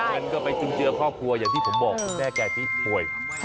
เงินก็ไปจุนเจือครอบครัวอย่างที่ผมบอกคุณแม่แกที่ป่วย